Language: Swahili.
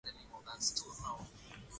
siku kadhaa tu kuokolewa Kile ambacho Antonio